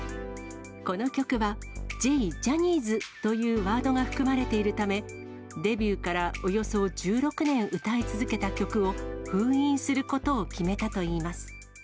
この曲は、Ｊジャニーズというワードが含まれているため、デビューからおよそ１６年歌い続けた曲を封印することを決めたといいます。